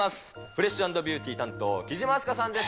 フレッシュ＆ビューティー担当、貴島明日香さんです。